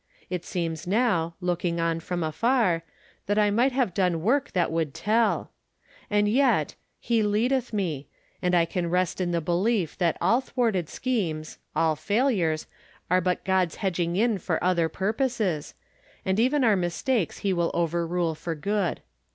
It seems now, looking on from afar, that I might have done work that would tell ! And yet, " He leadcth me," and I can rest in the belief that all thwarted schemes — all failures — are but God's hedging in for other purposes, and even our mis takes he will overrule for good.